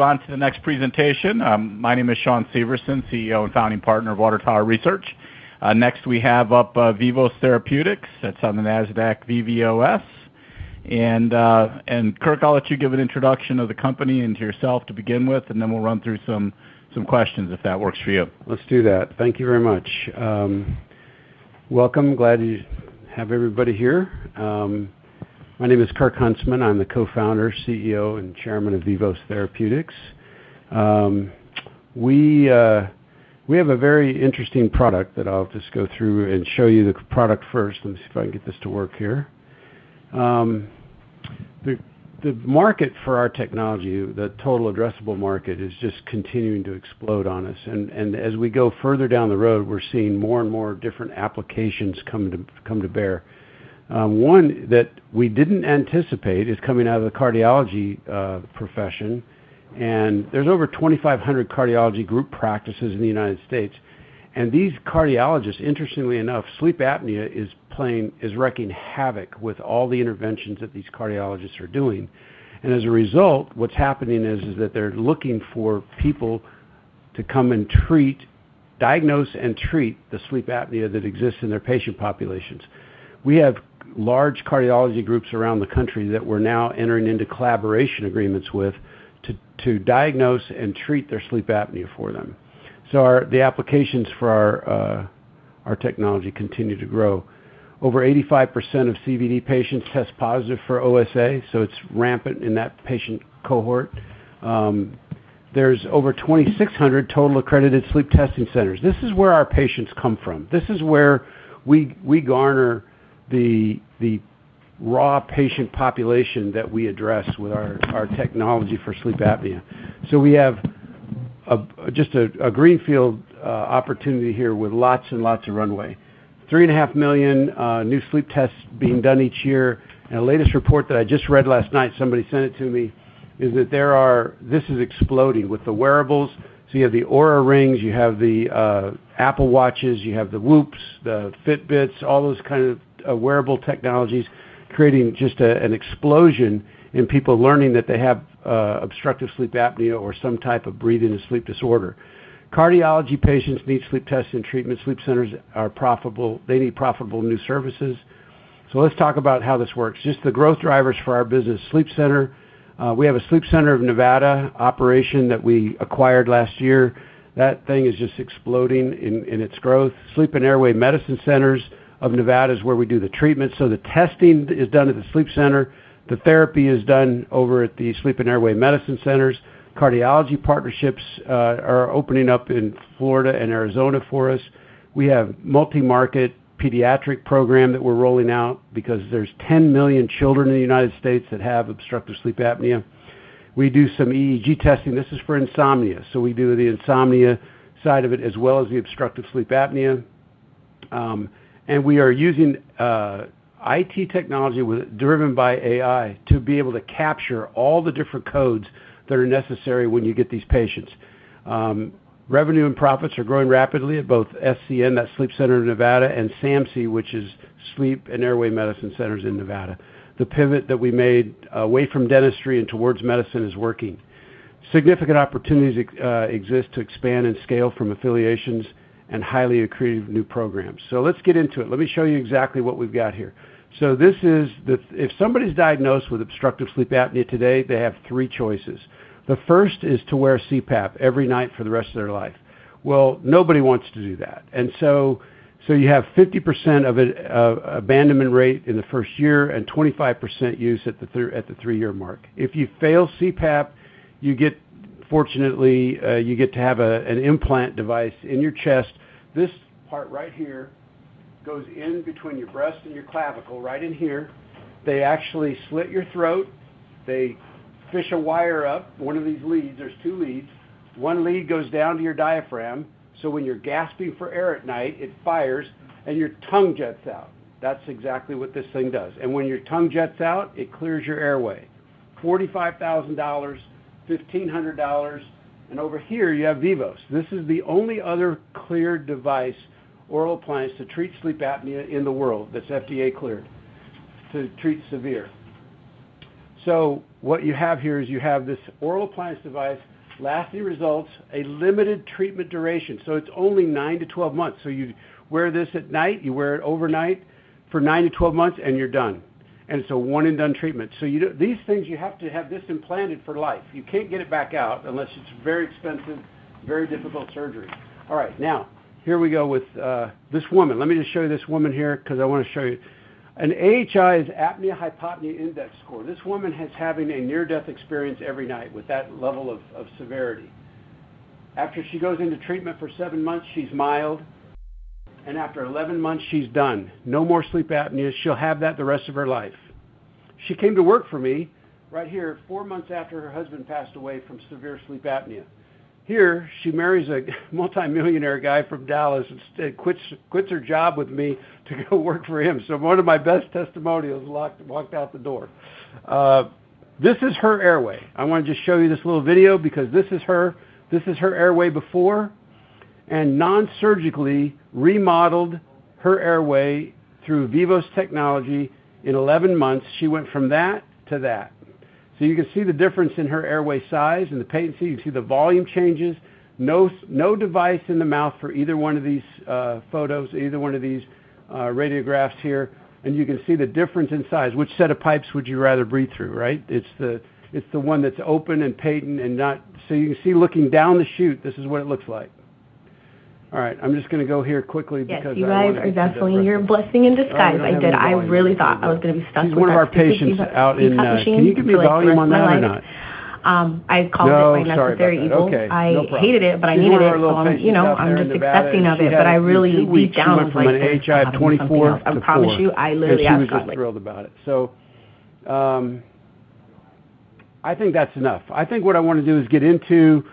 Move on to the next presentation. My name is Shawn Severson, CEO and founding partner of Water Tower Research. Next, we have up Vivos Therapeutics. That's on the NASDAQ, VVOS. Kirk, I'll let you give an introduction of the company and to yourself to begin with, then we'll run through some questions, if that works for you. Let's do that. Thank you very much. Welcome. Glad you have everybody here. My name is Kirk Huntsman. I'm the co-founder, CEO, and chairman of Vivos Therapeutics. We have a very interesting product that I'll just go through and show you the product first. Let me see if I can get this to work here. The market for our technology, the total addressable market, is just continuing to explode on us. As we go further down the road, we're seeing more and more different applications come to bear. One that we didn't anticipate is coming out of the cardiology profession. There's over 2,500 cardiology group practices in the United States. These cardiologists, interestingly enough, sleep apnea is wreaking havoc with all the interventions that these cardiologists are doing. As a result, what's happening is that they're looking for people to come and diagnose and treat the sleep apnea that exists in their patient populations. We have large cardiology groups around the country that we're now entering into collaboration agreements with to diagnose and treat their sleep apnea for them. The applications for our technology continue to grow. Over 85% of CVD patients test positive for OSA, so it's rampant in that patient cohort. There's over 2,600 total accredited sleep testing centers. This is where our patients come from. This is where we garner the raw patient population that we address with our technology for sleep apnea. We have just a greenfield opportunity here with lots and lots of runway. Three and a half million new sleep tests being done each year. In a latest report that I just read last night, somebody sent it to me, is that this is exploding with the wearables. You have the Oura rings, you have the Apple Watches, you have the WHOOPs, the Fitbits, all those kinds of wearable technologies creating just an explosion in people learning that they have obstructive sleep apnea or some type of breathing and sleep disorder. Cardiology patients need sleep testing and treatment. Sleep centers are profitable. They need profitable new services. Let's talk about how this works. Just the growth drivers for our business. Sleep center. We have a Sleep Center of Nevada operation that we acquired last year. That thing is just exploding in its growth. Sleep and Airway Medicine Centers of Nevada is where we do the treatment. The testing is done at the sleep center. The therapy is done over at the Sleep and Airway Medicine Centers. Cardiology partnerships are opening up in Florida and Arizona for us. We have multi-market pediatric program that we're rolling out because there's 10 million children in the United States that have obstructive sleep apnea. We do some EEG testing. This is for insomnia. We do the insomnia side of it as well as the obstructive sleep apnea. We are using IT technology driven by AI to be able to capture all the different codes that are necessary when you get these patients. Revenue and profits are growing rapidly at both SCN, that's The Sleep Center of Nevada, and SAMC, which is Sleep and Airway Medicine Centers in Nevada. The pivot that we made away from dentistry and towards medicine is working. Significant opportunities exist to expand and scale from affiliations and highly accretive new programs. Let's get into it. Let me show you exactly what we've got here. If somebody's diagnosed with obstructive sleep apnea today, they have three choices. The first is to wear CPAP every night for the rest of their life. Nobody wants to do that. You have 50% of abandonment rate in the first year and 25% use at the three-year mark. If you fail CPAP, fortunately, you get to have an implant device in your chest. This part right here goes in between your breast and your clavicle right in here. They actually slit your throat. They fish a wire up, one of these leads. There's two leads. One lead goes down to your diaphragm, so when you're gasping for air at night, it fires and your tongue jets out. That's exactly what this thing does. When your tongue jets out, it clears your airway. $45,000, $1,500, over here you have Vivos. This is the only other cleared device oral appliance to treat sleep apnea in the world that's FDA cleared to treat severe. What you have here is you have this oral appliance device, lasting results, a limited treatment duration. It's only nine to 12 months. You wear this at night, you wear it overnight for nine to 12 months, and you're done. It's a one and done treatment. These things, you have to have this implanted for life. You can't get it back out unless it's very expensive, very difficult surgery. All right. Here we go with this woman. Let me just show you this woman here because I want to show you. An AHI is apnea-hypopnea index score. This woman is having a near-death experience every night with that level of severity. After she goes into treatment for seven months, she's mild. After 11 months, she's done. No more sleep apnea. She'll have that the rest of her life. She came to work for me right here four months after her husband passed away from severe sleep apnea. Here, she marries a multimillionaire guy from Dallas, quits her job with me to go work for him. One of my best testimonials walked out the door. This is her airway. I want to just show you this little video because this is her airway before. Non-surgically remodeled her airway through Vivos technology. In 11 months, she went from that to that. You can see the difference in her airway size and the patency. You can see the volume changes. No device in the mouth for either one of these photos, either one of these radiographs here. You can see the difference in size. Which set of pipes would you rather breathe through, right? It's the one that's open and patent. You can see looking down the chute, this is what it looks like. All right. I'm just going to go here quickly because I want to keep that progressing. Yes, you guys are definitely a blessing in disguise. I did. I really thought I was going to be stuck with our stupid CPAP machine for like the rest of my life. She's one of our patients out in Can you give me volume on that or not? I called it my necessary evil. No. Sorry about that. Okay, no problem. I hated it, but I needed it. I'm just accepting of it, but I really deep down was like, "I wish I could have something else. She's another one of our patients out there in Nevada. She had in two weeks she went from an AHI of 24 to four. I promise you, I literally, I was like- She was just thrilled about it. I think that's enough. I think what I want to do is get into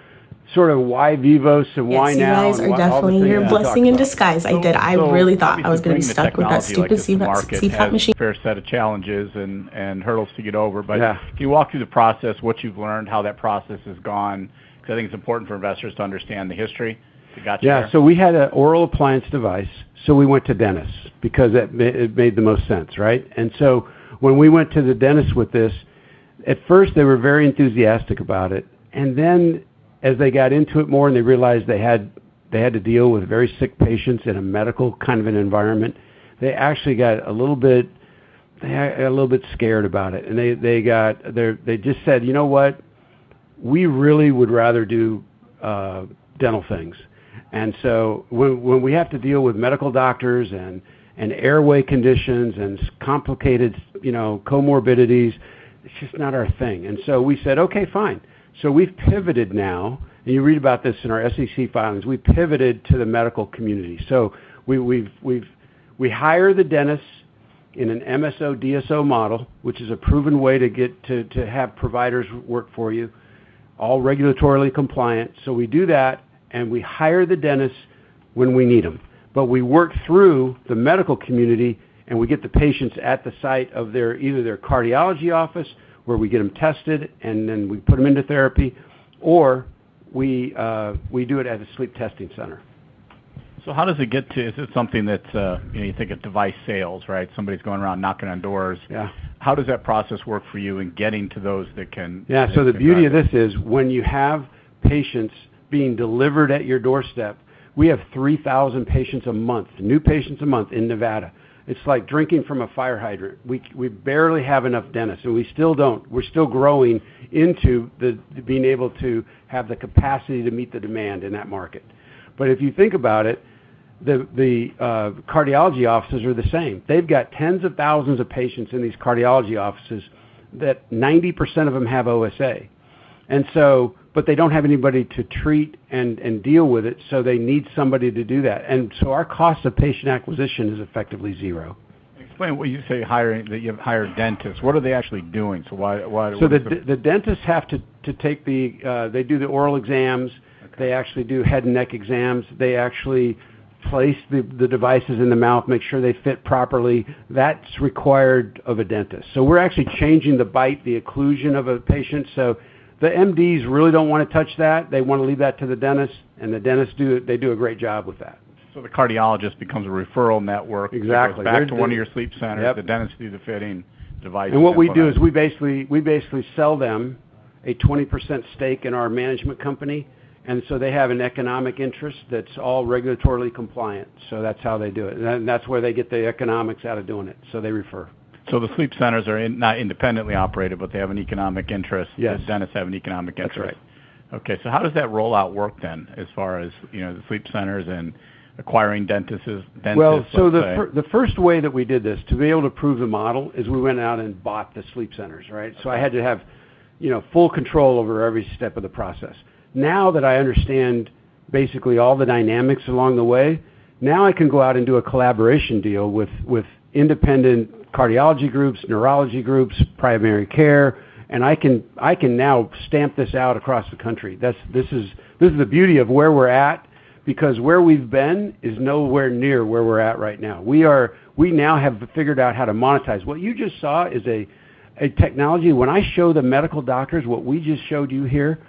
sort of why Vivos and why now and what all the things I've talked about. Yes, you guys are definitely a blessing in disguise. I did. I really thought I was going to be stuck with that stupid CPAP machine. Obviously bringing the technology like this to market has a fair set of challenges and hurdles to get over. Yeah. Can you walk through the process, what you've learned, how that process has gone? Because I think it's important for investors to understand the history to get you there. Yeah. We had an oral appliance device. We went to dentists because it made the most sense, right? When we went to the dentist with this, at first, they were very enthusiastic about it. Then as they got into it more and they realized they had to deal with very sick patients in a medical kind of an environment, they actually got a little bit scared about it. They just said, "You know what? We really would rather do dental things." When we have to deal with medical doctors and airway conditions and complicated comorbidities, it's just not our thing." We said, "Okay, fine." We've pivoted now, and you read about this in our SEC filings, we pivoted to the medical community. We hire the dentists in an MSO/DSO model, which is a proven way to have providers work for you, all regulatorily compliant. We do that, and we hire the dentists when we need them. We work through the medical community, and we get the patients at the site of either their cardiology office, where we get them tested and then we put them into therapy, or we do it at a sleep testing center. How does it get to Is this something that, you think of device sales, right? Somebody's going around knocking on doors. Yeah. How does that process work for you in getting to those that can- Yeah. The beauty of this is when you have patients being delivered at your doorstep, we have 3,000 patients a month, new patients a month in Nevada. It's like drinking from a fire hydrant. We barely have enough dentists, and we still don't. We're still growing into being able to have the capacity to meet the demand in that market. If you think about it, the cardiology offices are the same. They've got tens of thousands of patients in these cardiology offices that 90% of them have OSA. They don't have anybody to treat and deal with it, so they need somebody to do that. Our cost of patient acquisition is effectively zero. Explain, when you say that you have hired dentists, what are they actually doing? Why would the- The dentists have to take the. They do the oral exams. Okay. They actually do head and neck exams. They actually place the devices in the mouth, make sure they fit properly. That's required of a dentist. We're actually changing the bite, the occlusion of a patient. The MDs really don't want to touch that. They want to leave that to the dentist, and the dentists do it. They do a great job with that. The cardiologist becomes a referral network. Exactly. They go back to one of your sleep centers. Yep. The dentists do the fitting, device fit for them. What we do is we basically sell them a 20% stake in our management company. They have an economic interest that's all regulatorily compliant. That's how they do it. That's where they get the economics out of doing it. They refer. The sleep centers are not independently operated, but they have an economic interest. Yes. The dentists have an economic interest. That's right. Okay. How does that rollout work then, as far as the sleep centers and acquiring dentists, let's say? The first way that we did this, to be able to prove the model, is we went out and bought the sleep centers, right? Okay. I had to have full control over every step of the process. Now that I understand basically all the dynamics along the way, I can go out and do a collaboration deal with independent cardiology groups, neurology groups, primary care, and I can now stamp this out across the country. This is the beauty of where we're at, because where we've been is nowhere near where we're at right now. We now have figured out how to monetize. What you just saw is a technology. When I show the medical doctors what we just showed you here,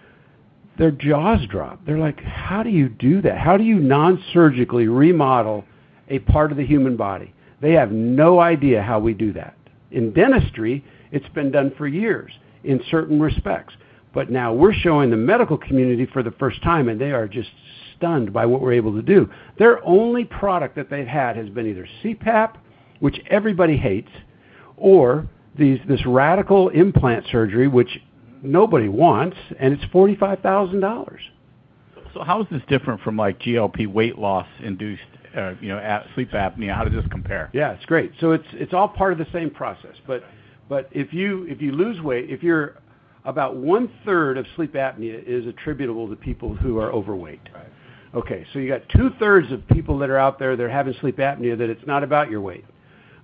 their jaws drop. They're like, "How do you do that? How do you non-surgically remodel a part of the human body?" They have no idea how we do that. In dentistry, it's been done for years in certain respects. Now we're showing the medical community for the first time, and they are just stunned by what we're able to do. Their only product that they've had has been either CPAP, which everybody hates, or this radical implant surgery, which nobody wants, and it's $45,000. How is this different from like GLP weight loss induced sleep apnea? How does this compare? Yeah, it's great. It's all part of the same process. Right. If you lose weight, about one-third of sleep apnea is attributable to people who are overweight. Right. Okay. You got two-thirds of people that are out there that have sleep apnea that it's not about your weight.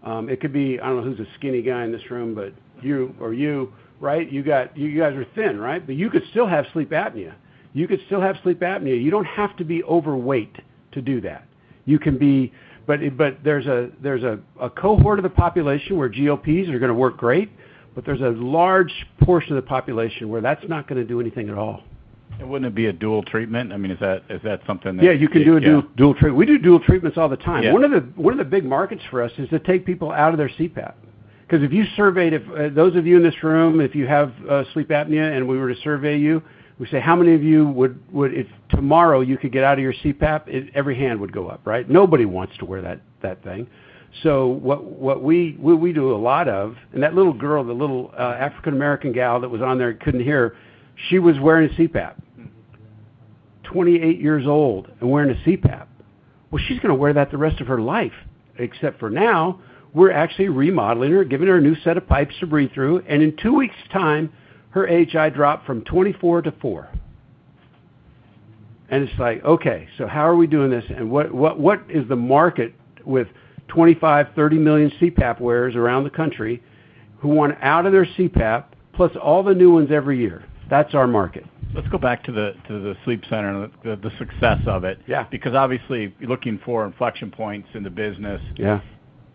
It could be, I don't know who's a skinny guy in this room, but you or you, right? You guys are thin, right? You could still have sleep apnea. You could still have sleep apnea. You don't have to be overweight to do that. There's a cohort of the population where GLPs are going to work great. There's a large portion of the population where that's not going to do anything at all. Wouldn't it be a dual treatment? Yeah, you can do a dual treat. We do dual treatments all the time. Yeah. One of the big markets for us is to take people out of their CPAP, because if those of you in this room, if you have sleep apnea and we were to survey you, we say, "How many of you would, if tomorrow you could get out of your CPAP?" Every hand would go up, right? Nobody wants to wear that thing. That little girl, the little African American gal that was on there, couldn't hear, she was wearing a CPAP. 28 years old and wearing a CPAP. Well, she's going to wear that the rest of her life. Except for now, we're actually remodeling her, giving her a new set of pipes to breathe through, and in two weeks' time, her AHI dropped from 24 to four. It's like, okay, how are we doing this? What is the market with 25, 30 million CPAP wearers around the country who want out of their CPAP, plus all the new ones every year? That's our market. Let's go back to the sleep center and the success of it. Yeah. Obviously you're looking for inflection points in the business. Yeah.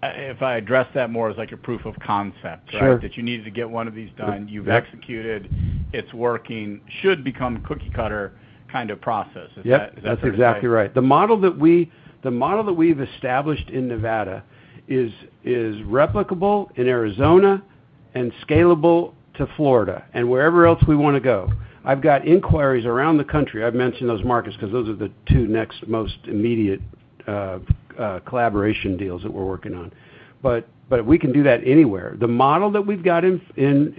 I address that more as like a proof of concept, right? Sure. You needed to get one of these done. Yeah. You've executed, it's working. Should become cookie cutter kind of process. Is that? Yep. That's exactly right. The model that we've established in Nevada is replicable in Arizona and scalable to Florida and wherever else we want to go. I've got inquiries around the country. I've mentioned those markets because those are the two next most immediate collaboration deals that we're working on. We can do that anywhere. The model that we've got in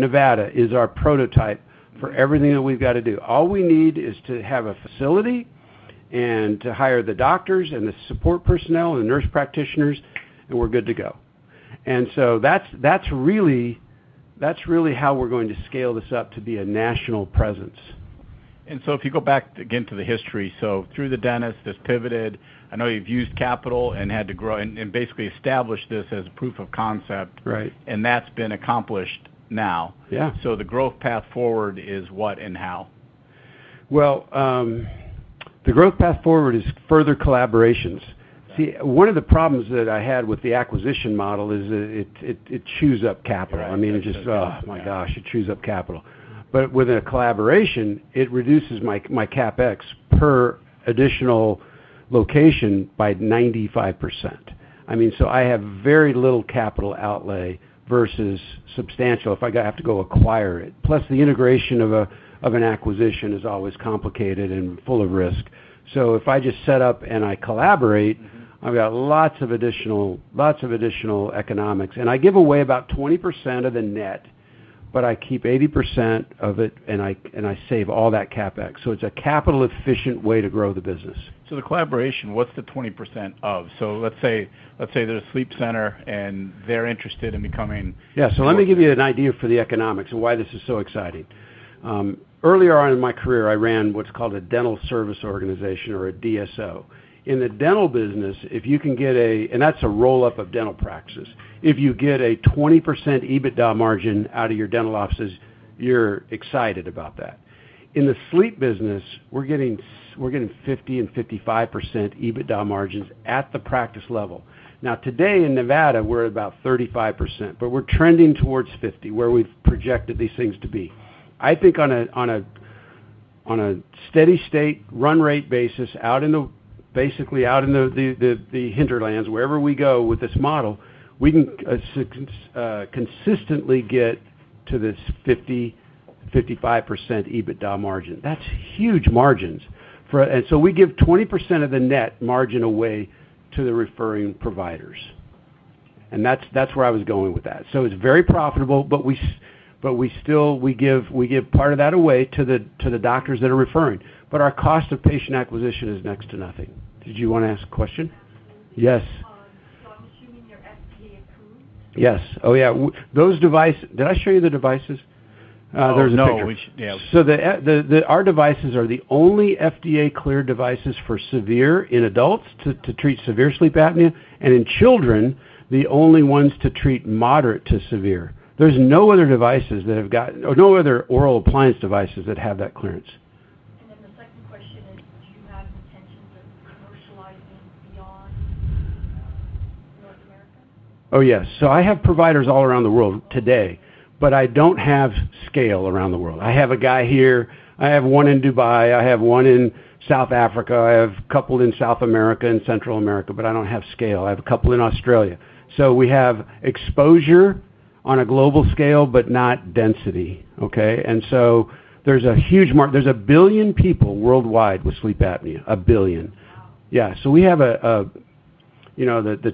Nevada is our prototype for everything that we've got to do. All we need is to have a facility and to hire the doctors and the support personnel and the nurse practitioners, and we're good to go. That's really how we're going to scale this up to be a national presence. If you go back again to the history, so through the dentist, this pivoted. I know you've used capital and had to grow and basically established this as a proof of concept. Right. That's been accomplished now. Yeah. The growth path forward is what and how? Well, the growth path forward is further collaborations. Right. See, one of the problems that I had with the acquisition model is that it chews up capital. Right. I mean, it just, oh my gosh, it chews up capital. With a collaboration, it reduces my CapEx per additional location by 95%. I have very little capital outlay versus substantial if I have to go acquire it. The integration of an acquisition is always complicated and full of risk. If I just set up and I collaborate. I've got lots of additional economics. I give away about 20% of the net, but I keep 80% of it, and I save all that CapEx. It's a capital efficient way to grow the business. The collaboration, what's the 20% of? Let's say there's a sleep center and they're interested in becoming- Yeah. Let me give you an idea for the economics and why this is so exciting. Earlier on in my career, I ran what's called a dental service organization or a DSO. That's a roll-up of dental practices. If you get a 20% EBITDA margin out of your dental offices, you're excited about that. In the sleep business, we're getting 50 and 55% EBITDA margins at the practice level. Today in Nevada, we're at about 35%, but we're trending towards 50, where we've projected these things to be. I think on a steady state run rate basis, basically out in the hinterlands, wherever we go with this model, we can consistently get to this 50, 55% EBITDA margin. That's huge margins. We give 20% of the net margin away to the referring providers, and that's where I was going with that. It's very profitable, but we give part of that away to the doctors that are referring. Our cost of patient acquisition is next to nothing. Did you want to ask a question? Absolutely. Yes. I'm assuming you're FDA approved? Yes. Oh, yeah. Did I show you the devices? There's a picture. Oh, no. Yeah. Our devices are the only FDA cleared devices for severe in adults to treat severe sleep apnea, and in children, the only ones to treat moderate to severe. There's no other oral appliance devices that have that clearance. The second question is, do you have intentions of commercializing beyond North America? Oh, yes. I have providers all around the world today, but I don't have scale around the world. I have a guy here. I have one in Dubai. I have one in South Africa. I have a couple in South America and Central America, but I don't have scale. I have a couple in Australia. We have exposure on a global scale, but not density. Okay. There's a huge market. There's 1 billion people worldwide with sleep apnea. 1 billion. Wow. Yeah. We have the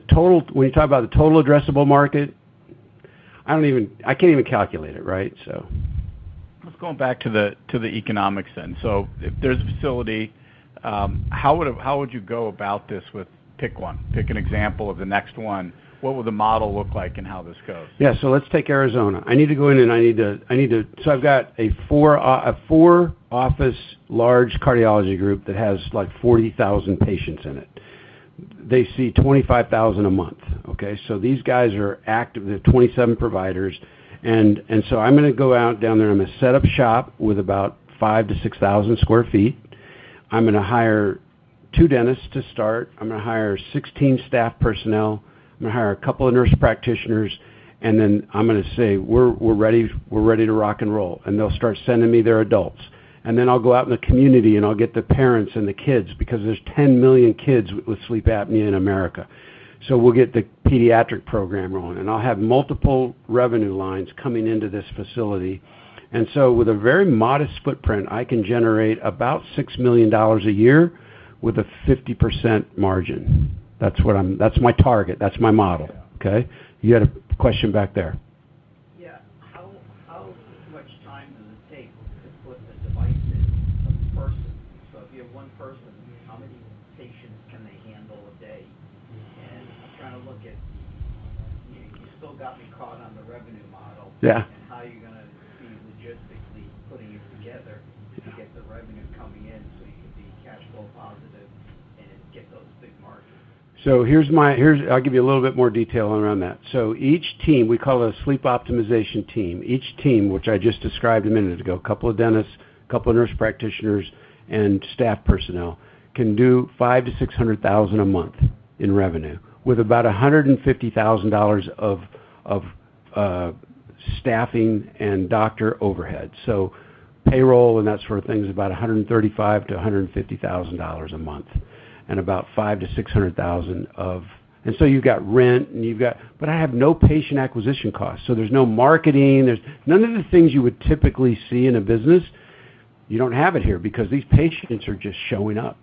total— When you talk about the total addressable market, I can't even calculate it, right? Let's go back to the economics then. If there's a facility, how would you go about this with pick one? Pick an example of the next one. What will the model look like and how this goes? Yeah. Let's take Arizona. I've got a four office large cardiology group that has like 40,000 patients in it. They see 25,000 a month. Okay. These guys are active. They have 27 providers. I'm going to go out down there. I'm going to set up shop with about 5,000 to 6,000 square feet. I'm going to hire two dentists to start. I'm going to hire 16 staff personnel. I'm going to hire a couple of nurse practitioners, and then I'm going to say, "We're ready to rock and roll." They'll start sending me their adults. I'll go out in the community, and I'll get the parents and the kids, because there's 10 million kids with sleep apnea in America. We'll get the pediatric program rolling, I'll have multiple revenue lines coming into this facility. With a very modest footprint, I can generate about $6 million a year with a 50% margin. That's my target. That's my model. Yeah. Okay? You had a question back there. Yeah. How much time does it take to put the device in a person? If you have one person, how many patients can they handle a day? I'm trying to. You still got me caught on the revenue model. Yeah How you're going to be logistically putting it together to get the revenue coming in so you can be cash flow positive and get those big margins. I'll give you a little bit more detail around that. Each team, we call it a sleep optimization team. Each team, which I just described a minute ago, a couple of dentists, a couple nurse practitioners, and staff personnel, can do $500,000-$600,000 a month in revenue with about $150,000 of staffing and doctor overhead. Payroll and that sort of thing is about $135,000-$150,000 a month. I have no patient acquisition costs. There's no marketing. None of the things you would typically see in a business, you don't have it here because these patients are just showing up.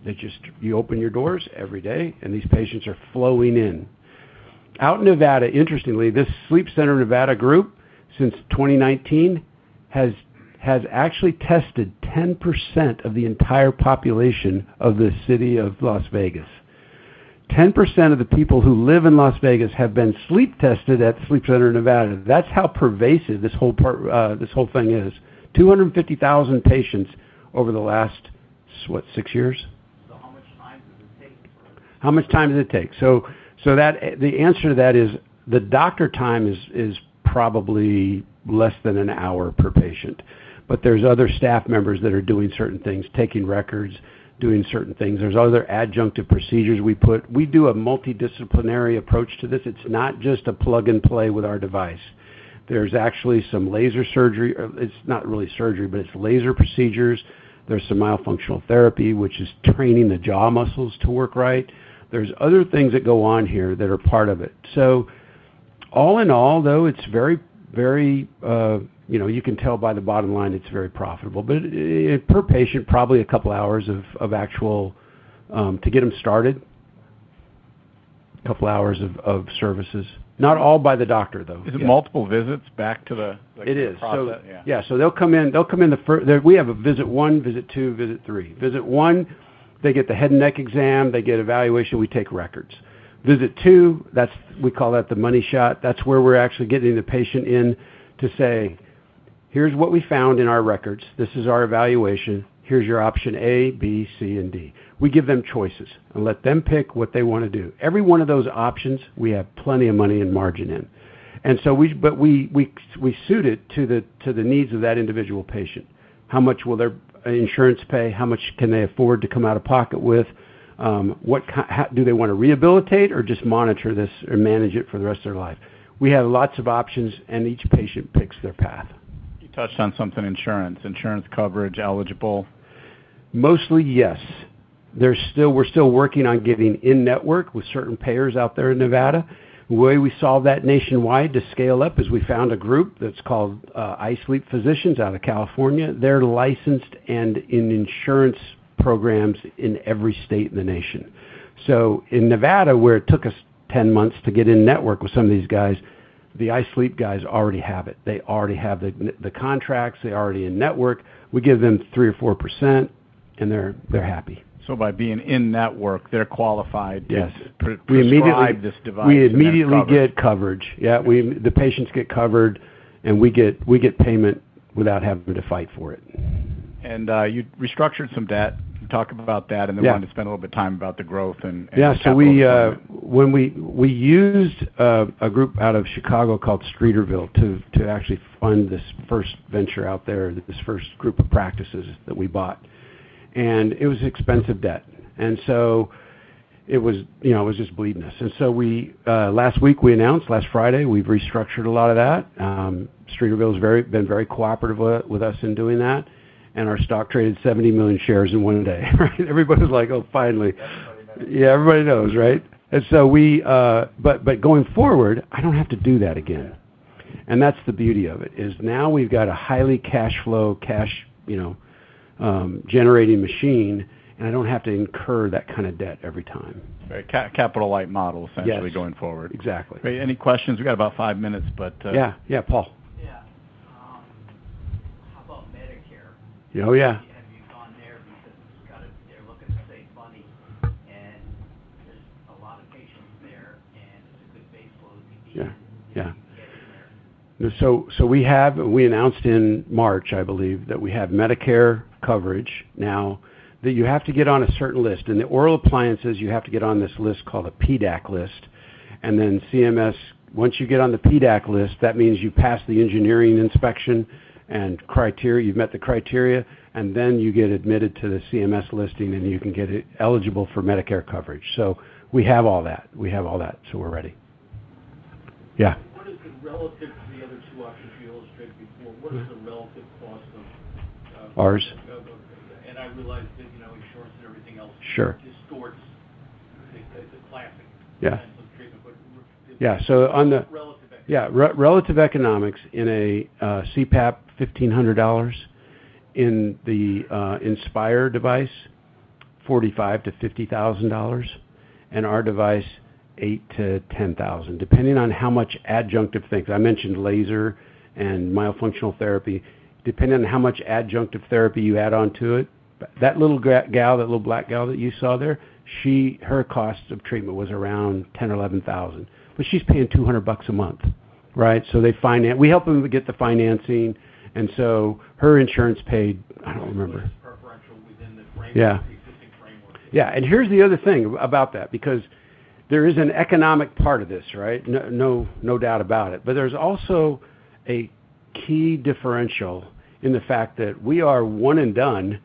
You open your doors every day and these patients are flowing in. Out in Nevada, interestingly, this Sleep Center of Nevada group, since 2019, has actually tested 10% of the entire population of the city of Las Vegas. 10% of the people who live in Las Vegas have been sleep tested at Sleep Center of Nevada. That's how pervasive this whole thing is. 250,000 patients over the last, what, six years. How much time does it take? How much time does it take? The answer to that is the doctor time is probably less than an hour per patient, but there's other staff members that are doing certain things, taking records, doing certain things. There's other adjunctive procedures we put. We do a multidisciplinary approach to this. It's not just a plug and play with our device. There's actually some laser surgery. It's not really surgery, but it's laser procedures. There's some myofunctional therapy, which is training the jaw muscles to work right. There's other things that go on here that are part of it. All in all, though, you can tell by the bottom line it's very profitable. Per patient, probably a couple hours to get them started. A couple hours of services. Not all by the doctor, though. Is it multiple visits back to the- It is process? Yeah. Yeah. They'll come in. We have a visit one, visit two, visit three. Visit one, they get the head and neck exam. They get evaluation. We take records. Visit two, we call that the money shot. That's where we're actually getting the patient in to say, "Here's what we found in our records. This is our evaluation. Here's your option A, B, C, and D." We give them choices and let them pick what they want to do. Every one of those options, we have plenty of money and margin in. We suit it to the needs of that individual patient. How much will their insurance pay? How much can they afford to come out of pocket with? Do they want to rehabilitate or just monitor this or manage it for the rest of their life? We have lots of options, and each patient picks their path. You touched on something, insurance. Insurance coverage eligible? Mostly, yes. We're still working on getting in-network with certain payers out there in Nevada. The way we solve that nationwide to scale up is we found a group that's called iSleep Physicians out of California. They're licensed and in insurance programs in every state in the nation. In Nevada, where it took us 10 months to get in-network with some of these guys, the iSleep guys already have it. They already have the contracts. They're already in-network. We give them 3% or 4%, and they're happy. By being in-network, they're qualified Yes to prescribe this device and get coverage. We immediately get coverage. Yeah. The patients get covered, and we get payment without having to fight for it. You restructured some debt. You talked about that. Yeah wanted to spend a little bit of time about the growth. Yeah. We used a group out of Chicago called Streeterville Capital to actually fund this first venture out there, this first group of practices that we bought, it was expensive debt. It was just bleeding us. Last week we announced, last Friday, we've restructured a lot of that. Streeterville Capital's been very cooperative with us in doing that, our stock traded 70 million shares in one day. Everybody's like, "Oh, finally. Everybody knows. Yeah. Everybody knows, right? Going forward, I don't have to do that again. Yeah. That's the beauty of it is now we've got a highly cash flow, cash generating machine, and I don't have to incur that kind of debt every time. Right. Capital-light model, essentially. Yes going forward. Exactly. Great. Any questions? We got about five minutes. Yeah. Yeah, Paul. Yeah. How about Medicare? Oh, yeah. Have you gone there? They're looking to save money, and there's a lot of patients there, and it's a good base load. Yeah If you can get in there. We announced in March, I believe, that we have Medicare coverage now, that you have to get on a certain list. In the oral appliances, you have to get on this list called a PDAC list. CMS, once you get on the PDAC list, that means you pass the engineering inspection and you've met the criteria, and then you get admitted to the CMS listing, and you can get eligible for Medicare coverage. We have all that. We have all that, we're ready. Yeah. What is the relative to the other two options you illustrated before? What is the relative cost of- Ours? I realize that insurance and everything else- Sure distorts the classic- Yeah treatment, but- Yeah. Relative economics. Yeah. Relative economics in a CPAP, $1,500. In the Inspire device, $45,000-$50,000. Our device, $8,000-$10,000, depending on how much adjunctive things. I mentioned laser and myofunctional therapy. Depending on how much adjunctive therapy you add onto it. That little gal, that little black gal that you saw there, her cost of treatment was around $10,000 or $11,000. She's paying $200 a month. Right? We help them get the financing, and so her insurance paid, I don't remember. Preferential within the existing framework. Yeah. Here's the other thing about that, because there is an economic part of this, right? No doubt about it. There's also a key differential in the fact that we are one and done.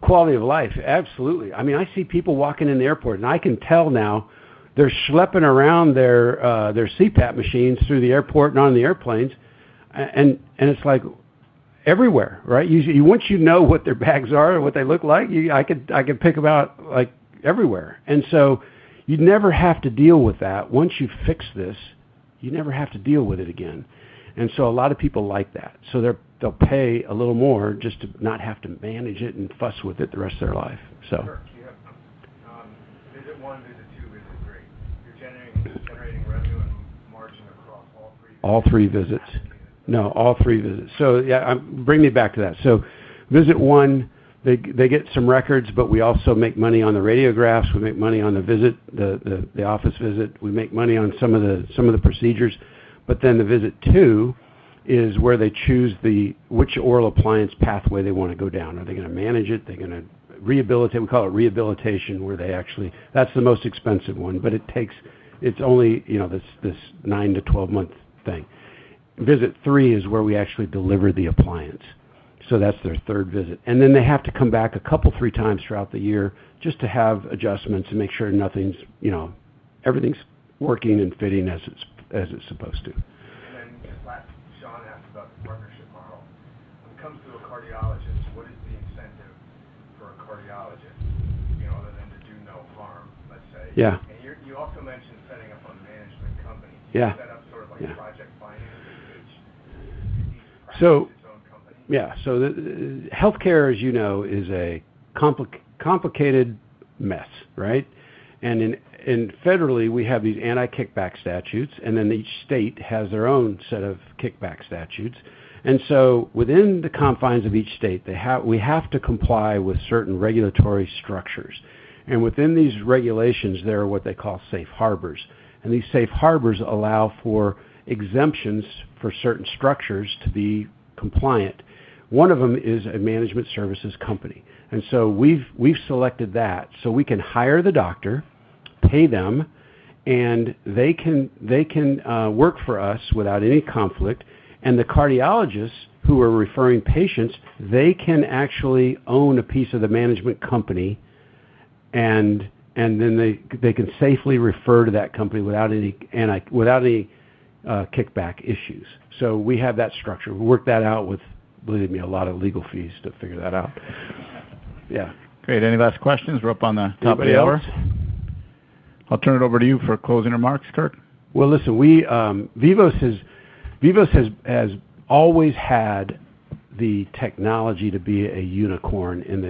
Quality of life. Quality of life, absolutely. I see people walking in the airport, I can tell now they're schlepping around their CPAP machines through the airport and on the airplanes. It's everywhere, right? Once you know what their bags are or what they look like, I could pick them out everywhere. You never have to deal with that. Once you fix this, you never have to deal with it again. A lot of people like that. They'll pay a little more just to not have to manage it and fuss with it the rest of their life. Kirk, you have visit one, visit two, visit three. You're generating revenue and margin across all three? All three visits. No, all three visits. Yeah, bring me back to that. Visit 1, they get some records, but we also make money on the radiographs. We make money on the visit, the office visit. We make money on some of the procedures. The visit 2 is where they choose which oral appliance pathway they want to go down. Are they going to manage it? Are they going to rehabilitate? We call it rehabilitation, where they actually. That's the most expensive one, but it takes, it's only this nine to 12 month thing. Visit 3 is where we actually deliver the appliance. That's their third visit. They have to come back a couple, three times throughout the year just to have adjustments and make sure everything's working and fitting as it's supposed to. Last, Shawn asked about the partnership model. When it comes to a cardiologist, what is the incentive for a cardiologist, other than to do no harm, let's say? Yeah. You also mentioned setting up a management company. Yeah. You set up sort of like a project finance approach where each practice is its own company. Healthcare, as you know, is a complicated mess, right? Federally, we have these Anti-Kickback Statute, and then each state has their own set of kickback statutes. Within the confines of each state, we have to comply with certain regulatory structures. Within these regulations, there are what they call safe harbors. These safe harbors allow for exemptions for certain structures to be compliant. One of them is a management services company. We've selected that so we can hire the doctor, pay them, and they can work for us without any conflict. The cardiologists who are referring patients, they can actually own a piece of the management company, and then they can safely refer to that company without any kickback issues. We have that structure. We worked that out with, believe me, a lot of legal fees to figure that out. Yeah. Great. Any last questions? We're up on the top of the hour. Anybody else? I'll turn it over to you for closing remarks, Kirk. Listen, Vivos has always had the technology to be a unicorn in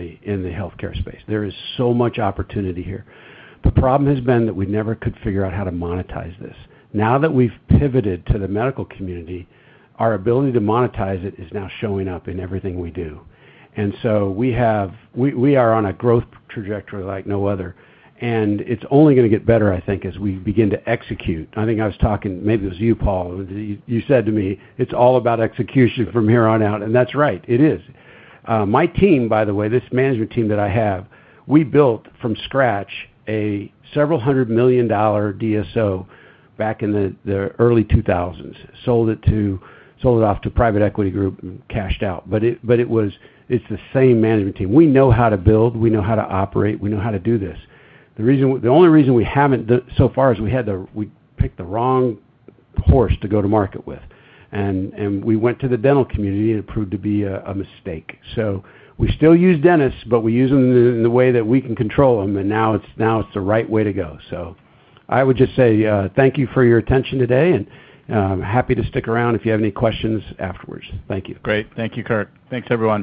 the healthcare space. There is so much opportunity here. The problem has been that we never could figure out how to monetize this. Now that we've pivoted to the medical community, our ability to monetize it is now showing up in everything we do. We are on a growth trajectory like no other, and it's only going to get better, I think, as we begin to execute. I think I was talking, maybe it was you, Paul, you said to me, "It's all about execution from here on out." That's right. It is. My team, by the way, this management team that I have, we built from scratch a several hundred million dollar DSO back in the early 2000s, sold it off to a private equity group, and cashed out. It's the same management team. We know how to build, we know how to operate, we know how to do this. The only reason we haven't so far is we picked the wrong horse to go to market with, we went to the dental community, and it proved to be a mistake. We still use dentists, but we use them in the way that we can control them, now it's the right way to go. I would just say thank you for your attention today, and happy to stick around if you have any questions afterwards. Thank you. Great. Thank you, Kirk. Thanks, everyone.